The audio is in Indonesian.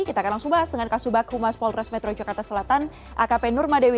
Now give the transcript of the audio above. kita akan langsung bahas dengan kasubag humas polres metro yogyakarta selatan akp nur madewi